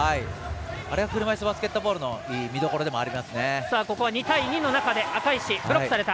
車いすバスケットボールの見どころでもありますね。